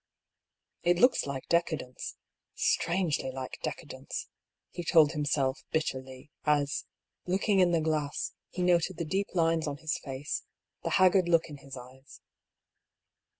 " It looks like decadence — strangely like decadence," he told himself, bitterly, as, looking in the glass, he noted the deep lines on his face, the haggard look in his eyes.